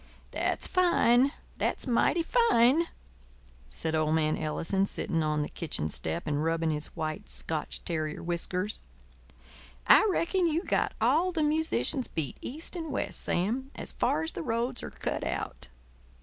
"That's fine, that's mighty fine," said old man Ellison, sitting on the kitchen step and rubbing his white, Scotch terrier whiskers. "I reckon you've got all the musicians beat east and west, Sam, as far as the roads are cut out."